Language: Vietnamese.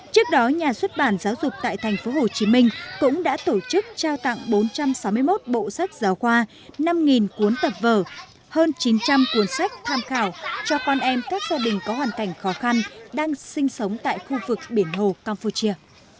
trước đó nhà xuất bản giáo dục tại tp hcm cũng đã tổ chức trao tặng bốn trăm sáu mươi một bộ sách giáo khoa năm cuốn sách tham khảo cho con em các gia đình có hoàn cảnh khó khăn đang sinh sống tại khu vực biển hồ campuchia